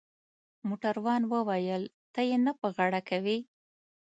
موټروان وویل: ته يې نه په غاړه کوې؟